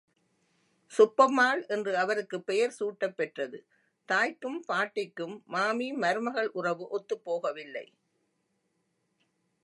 சுப்பம்மாள் என்று அவருக்குப் பெயர் சூட்டப் பெற்றது.தாய்க்கும் பாட்டிக்கும் மாமி, மருமகள் உறவு ஒத்துப் போகவில்லை.